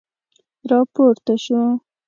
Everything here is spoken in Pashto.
را پورته شو.